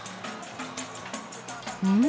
うん？